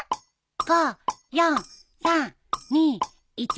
５４３２１。